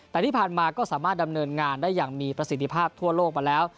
แต่ที่ผ่านมาก็สามารถดำเนินงานได้อย่างมีประสิทธิภาพทั่วโลกมาแล้ว